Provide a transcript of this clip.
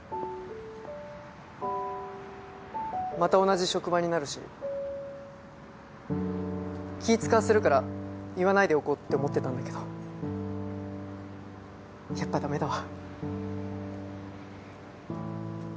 また同じ職場になるし気使わせるから言わないでおこうって思ってたんだけどやっぱダメだわ。